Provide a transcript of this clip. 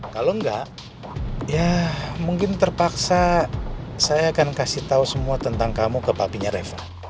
kalau enggak ya mungkin terpaksa saya akan kasih tahu semua tentang kamu ke papinya reva